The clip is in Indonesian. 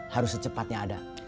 harus secepatnya ada